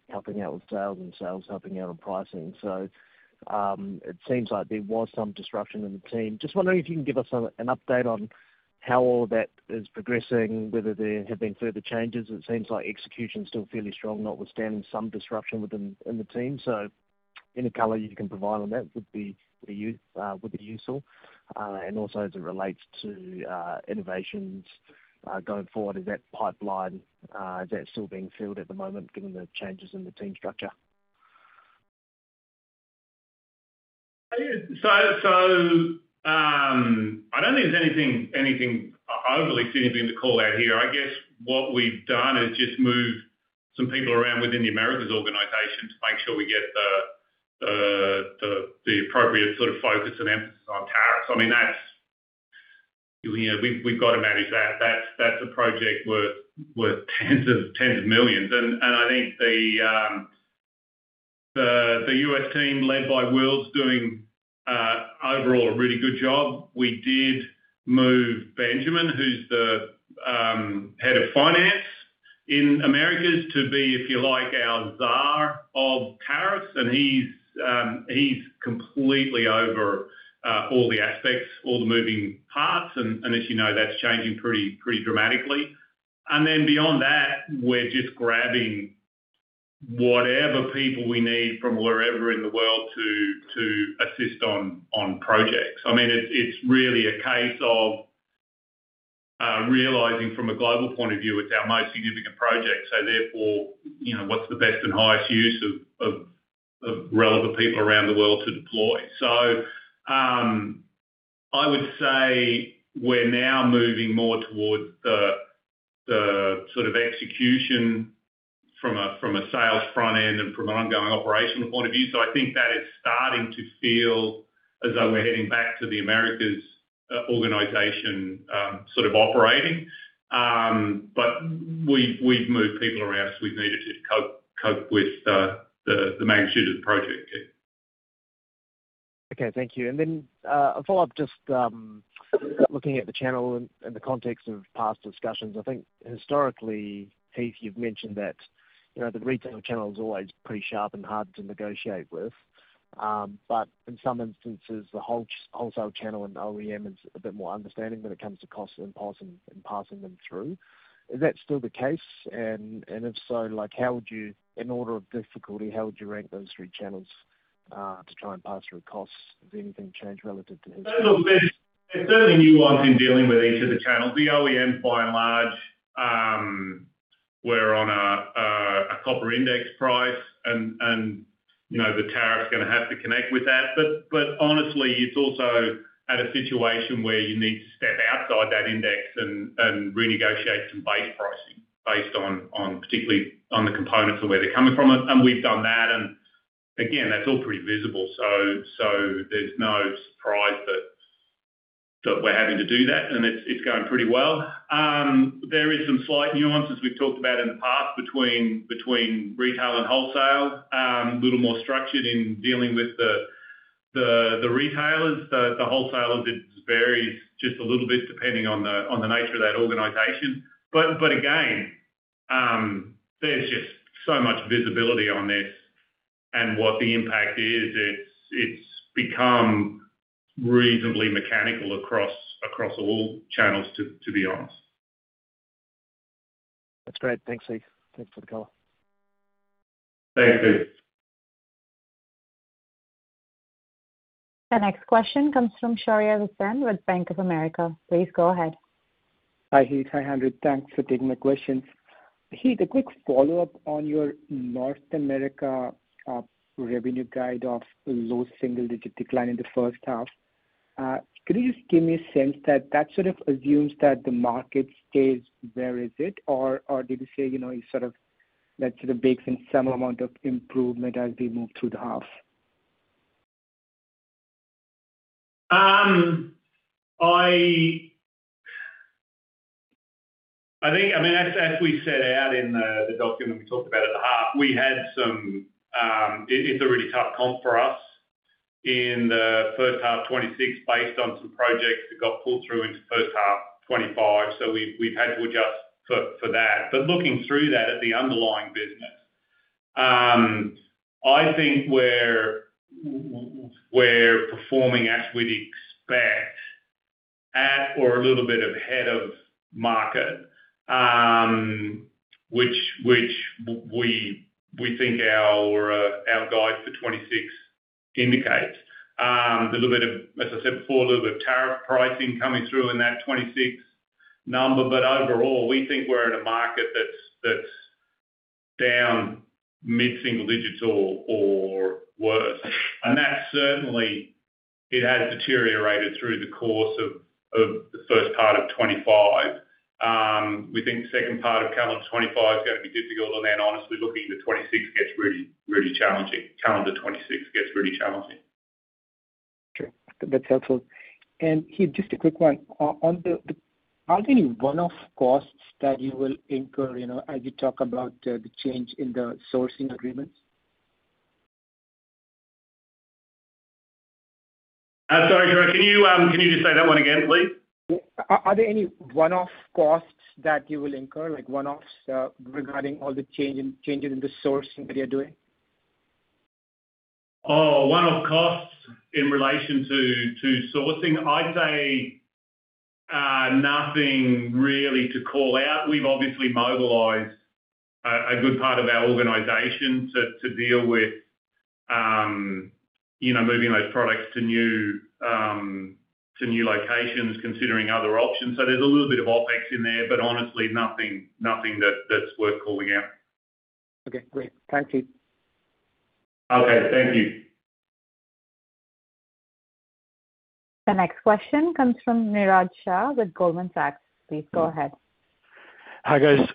[SPEAKER 10] helping out with sales and sales helping out on pricing. It seems like there was some disruption in the team. I am just wondering if you can give us an update on how all that is progressing, whether there have been further changes. It seems like execution is still fairly strong, notwithstanding some disruption within the team. Any color you can provide on that would be useful. Also, as it relates to innovations going forward, is that pipeline, is that still being filled at the moment given the changes in the team structure?
[SPEAKER 1] I don't think there's anything overly significant to call out here. What we've done is just move some people around within the Americas organization to make sure we get the appropriate sort of focus and emphasis on tariffs. I mean, that's, you know, we've got to manage that. That's a project worth tens of millions. I think the U.S. team led by Will's doing overall a really good job. We did move Benjamin, who's the Head of Finance in Americas, to be, if you like, our czar of tariffs. He's completely over all the aspects, all the moving parts. As you know, that's changing pretty dramatically. Beyond that, we're just grabbing whatever people we need from wherever in the world to assist on projects. It's really a case of realizing from a global point of view, it's our most significant project. Therefore, what's the best and highest use of relevant people around the world to deploy? I would say we're now moving more towards the sort of execution from a sales front end and from an ongoing operational point of view. I think that is starting to feel as though we're heading back to the Americas organization sort of operating. We've moved people around because we've needed to cope with the magnitude of the project.
[SPEAKER 10] Okay. Thank you. A follow-up, just looking at the channel and the context of past discussions. I think historically, Heath, you've mentioned that the retail channel is always pretty sharp and hard to negotiate with. In some instances, the wholesale channel and OEM is a bit more understanding when it comes to costs and passing them through. Is that still the case? If so, in order of difficulty, how would you rank those three channels to try and pass through costs? Has anything changed relative to that?
[SPEAKER 1] No, look, there's certainly new ones in dealing with each of the channels. The OEM, by and large, we're on a copper index price, and you know, the tariff is going to have to connect with that. Honestly, it's also at a situation where you need to step outside that index and renegotiate some base pricing, particularly on the components and where they're coming from. We've done that, and again, that's all pretty visible. There's no surprise that we're having to do that, and it's going pretty well. There are some slight nuances we've talked about in the past between retail and wholesale, a little more structured in dealing with the retailers. The wholesalers, it varies just a little bit depending on the nature of that organization. Again, there's just so much visibility on this and what the impact is. It's become reasonably mechanical across all channels, to be honest.
[SPEAKER 10] That's great. Thanks, Heath. Thanks for the color.
[SPEAKER 1] Thanks, Keith.
[SPEAKER 3] The next question comes from Shariyar Hussain with Bank of America. Please go ahead.
[SPEAKER 11] Hi, Heath. Hi, Andrew. Thanks for taking the questions. Heath, a quick follow-up on your North America revenue guide of low single-digit decline in the first half. Could you just give me a sense that that sort of assumes that the market stays where it is, or did you say it's sort of that sort of bakes in some amount of improvement as we move through the half?
[SPEAKER 1] I think, as we set out in the document we talked about at the heart, we had some, it's a really tough comp for us in the first half of 2026 based on some projects that got pulled through into the first half of 2025. We've had to adjust for that. Looking through that at the underlying business, I think we're performing as we'd expect at or a little bit ahead of market, which we think our guide for 2026 indicates. As I said before, a little bit of tariff pricing coming through in that 2026 number. Overall, we think we're in a market that's down mid-single digits or worse. It has certainly deteriorated through the course of the first part of 2025. We think the second part of calendar 2025 is going to be difficult on that. Honestly, looking into 2026 gets really, really challenging. Calendar 2026 gets really challenging.
[SPEAKER 11] Okay. That's helpful. Heath, just a quick one. Are there any one-off costs that you will incur as you talk about the change in the sourcing agreements?
[SPEAKER 1] I'm sorry, Shariah, can you just say that one again, please?
[SPEAKER 11] Are there any one-off costs that you will incur, like one-offs regarding all the changes in the sourcing that you're doing?
[SPEAKER 1] One-off costs in relation to sourcing, I'd say nothing really to call out. We've obviously mobilized a good part of our organization to deal with moving those products to new locations, considering other options. There's a little bit of OpEx in there, but honestly, nothing that's worth calling out.
[SPEAKER 11] Okay. Great. Thanks, Heath.
[SPEAKER 1] Okay, thank you.
[SPEAKER 3] The next question comes from Niraj Shah with Goldman Sachs. Please go ahead.
[SPEAKER 12] Hi, guys.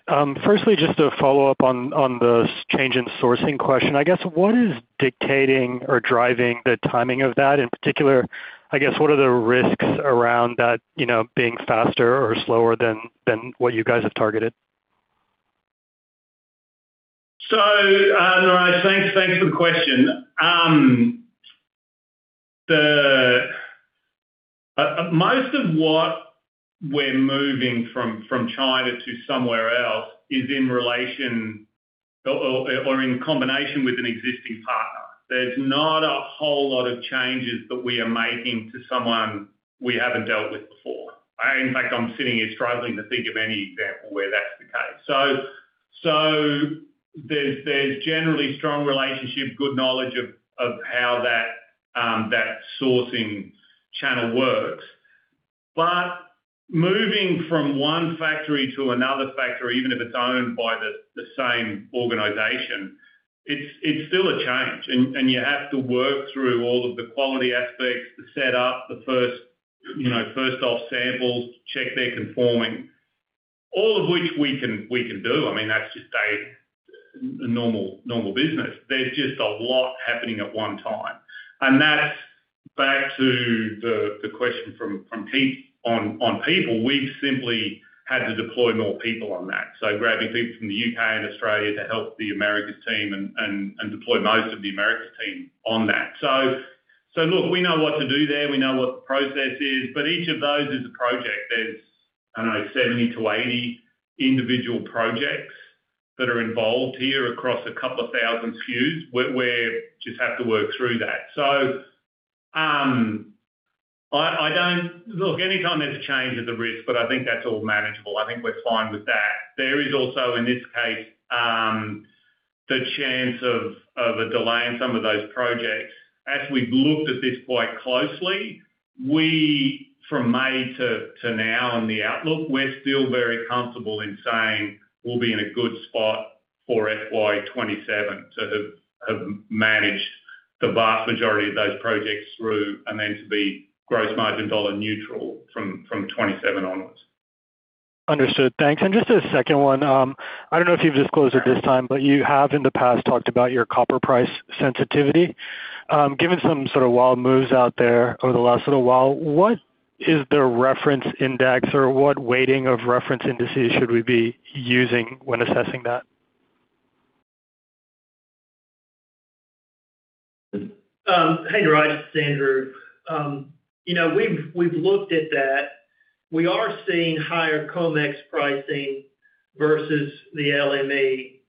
[SPEAKER 12] Firstly, just a follow-up on the change in sourcing question. I guess, what is dictating or driving the timing of that? In particular, I guess, what are the risks around that being faster or slower than what you guys have targeted?
[SPEAKER 1] Niraj, thanks for the question. Most of what we're moving from China to somewhere else is in relation or in combination with an existing partner. There's not a whole lot of changes that we are making to someone we haven't dealt with before. In fact, I'm sitting here struggling to think of any example where that's the case. There's generally strong relationship, good knowledge of how that sourcing channel works. Moving from one factory to another factory, even if it's owned by the same organization, it's still a change. You have to work through all the quality aspects, the setup, the first, you know, first-off samples, check they're conforming, all of which we can do. I mean, that's just a normal business. There's just a lot happening at one time. That's back to the question from Keith on people. We've simply had to deploy more people on that, grabbing people from the U.K. and Australia to help the Americas team and deploy most of the Americas team on that. We know what to do there. We know what the process is. Each of those is a project. There's, I don't know, 70 to 80 individual projects that are involved here across a couple of thousand SKUs. We just have to work through that. I don't, look, anytime there's change at the risk, but I think that's all manageable. I think we're fine with that. There is also, in this case, the chance of a delay in some of those projects. As we've looked at this quite closely, we, from May to now on the outlook, we're still very comfortable in saying we'll be in a good spot for FY 2027 to have managed the vast majority of those projects through and then to be gross margin dollar neutral from 2027 onwards.
[SPEAKER 12] Understood. Thanks. Just a second one. I don't know if you've disclosed at this time, but you have in the past talked about your copper price sensitivity. Given some sort of wild moves out there over the last little while, what is the reference index or what weighting of reference indices should we be using when assessing that?
[SPEAKER 2] Hey, Niraj, it's Andrew. You know, we've looked at that. We are seeing higher COMEX pricing versus the LME.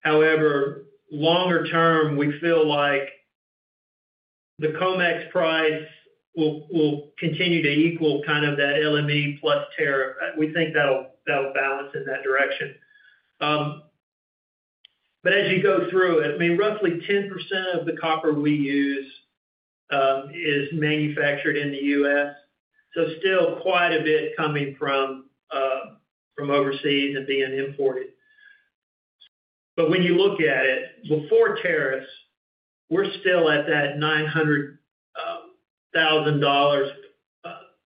[SPEAKER 2] However, longer term, we feel like the COMEX price will continue to equal kind of that LME plus tariff. We think that'll balance in that direction. As you go through it, I mean, roughly 10% of the copper we use is manufactured in the U.S., so still quite a bit coming from overseas and being imported. When you look at it, before tariffs, we're still at that $900,000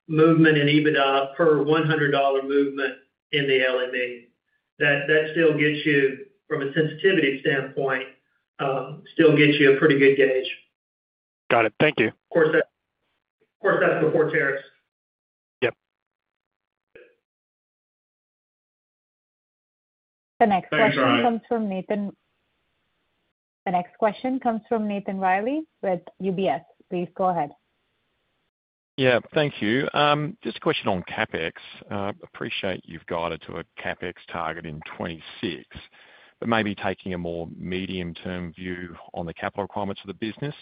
[SPEAKER 2] movement in EBITDA per $100 movement in the LME. That still gets you, from a sensitivity standpoint, still gives you a pretty good gauge.
[SPEAKER 12] Got it. Thank you.
[SPEAKER 2] Of course, that's before tariffs.
[SPEAKER 12] Yeah.
[SPEAKER 3] The next question comes from Nathan Reilly with UBS. Please go ahead.
[SPEAKER 13] Thank you. Just a question on CapEx. I appreciate you've guided to a CapEx target in 2026, but maybe taking a more medium-term view on the capital requirements of the business.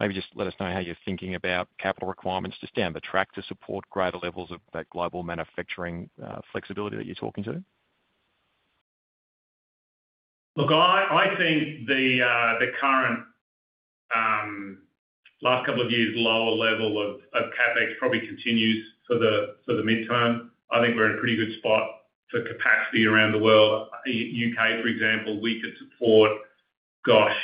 [SPEAKER 13] Maybe just let us know how you're thinking about capital requirements just down the track to support greater levels of that global manufacturing flexibility that you're talking to.
[SPEAKER 1] Look, I think the current last couple of years' lower level of CapEx probably continues for the midterm. I think we're in a pretty good spot for capacity around the world. U.K., for example, we could support, gosh,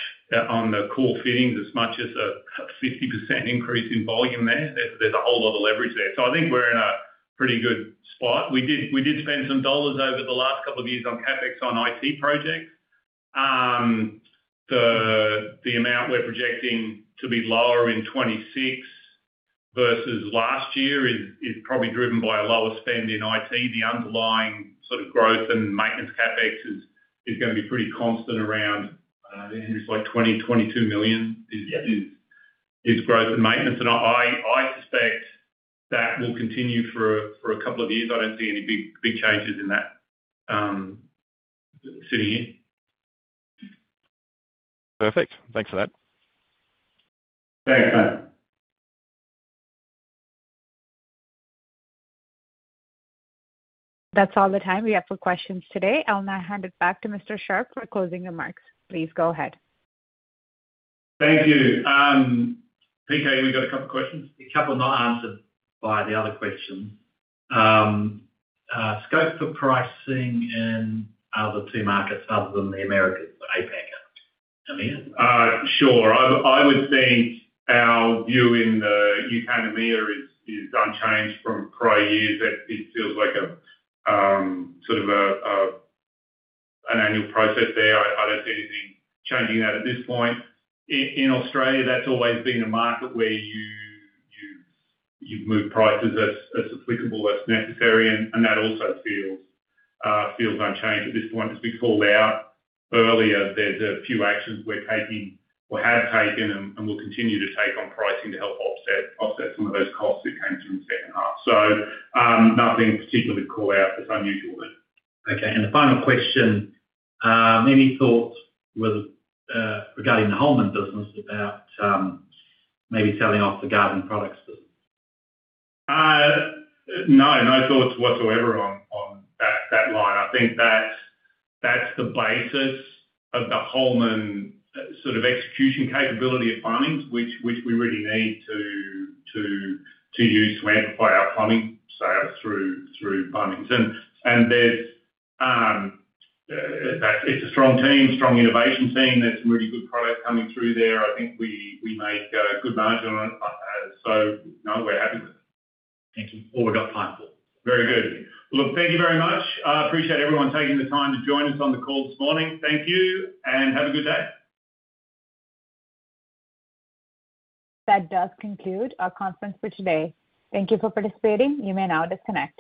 [SPEAKER 1] on the core fittings as much as a 50% increase in volume there. There's a whole lot of leverage there. I think we're in a pretty good spot. We did spend some dollars over the last couple of years on CapEx on IT projects. The amount we're projecting to be lower in 2026 versus last year is probably driven by a lower spend in IT. The underlying sort of growth and maintenance CapEx is going to be pretty constant around, Andrew, it's like $20 million, $22 million is growth and maintenance. I suspect that will continue for a couple of years. I don't see any big changes in that sitting here.
[SPEAKER 13] Perfect. Thanks for that.
[SPEAKER 1] Okay.
[SPEAKER 3] That's all the time we have for questions today. I'll now hand it back to Mr. Sharp for closing remarks. Please go ahead.
[SPEAKER 1] Thank you.
[SPEAKER 14] I think, Adam, we got a couple of questions, a couple not answered by the other question. Let's go for pricing in other two markets other than the Americas, but APAC and EMEA.
[SPEAKER 1] Sure. I would think our view in the U.K. and EMEA is unchanged from prior years. It feels like a sort of an annual process there. I don't see anything changing that at this point. In Australia, that's always been a market where you move prices as applicable as necessary. That also feels unchanged at this point. As we called out earlier, there's a few actions we're taking or had taken, and we'll continue to take on pricing to help offset some of those costs that came through the second half. Nothing particularly to call out that's unusual there.
[SPEAKER 14] Okay. The final question, any thoughts regarding the Holman business about maybe selling off the garden products?
[SPEAKER 1] No thoughts whatsoever on that line. I think that's the basis of the Holman sort of execution capability of fundings, which we really need to use to amplify our funding through fundings. It's a strong team, strong innovation team. There's some really good product coming through there. I think we made a good margin on it. No, we're happy with it.
[SPEAKER 14] Thank you. Oh, we got five more.
[SPEAKER 1] Very good. Look, thank you very much. I appreciate everyone taking the time to join us on the call this morning. Thank you and have a good day.
[SPEAKER 3] That does conclude our conference for today. Thank you for participating. You may now disconnect.